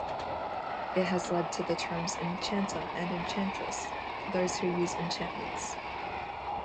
It has led to the terms "enchanter" and "enchantress", for those who use enchantments.